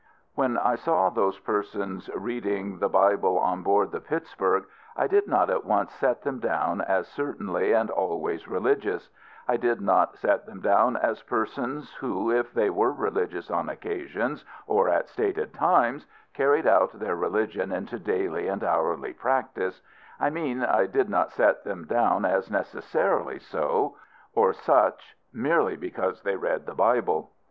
When I saw those persons reading the Bible on board the Pittsburg, I did not at once set them down as certainly and always religious; I did not set them down as persons who, if they were religious on occasions, or at stated times, carried out their religion into dayly and hourly practice: I mean I did not set them down as necessarily so, or such merely because they read the Bible.